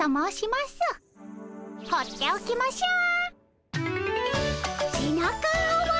放っておきましょう。